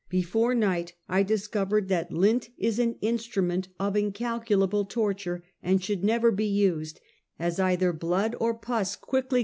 Before night I discovered that lint is an instrument of incalculable torture, and should never be used, as either blood or pus quickly Hospital Gangeene.